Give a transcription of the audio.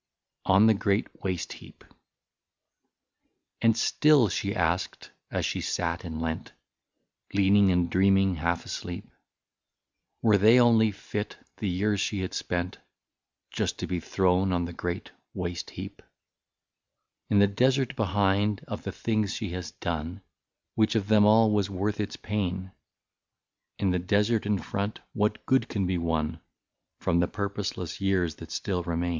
51 ON THE GREAT WASTE HEAP * And still she asked, as she sat and leant, Leaning and drieaming half asleep, Were they only fit, the years she had spent, Just to be thrown on the great waste heap ? In the desert behind, of the things she had done. Which of them all was worth its pain ; In the desert in front, what good could be won ? From the purposeless years that still remain * Note. — See a critique in the Speaker (by G. M.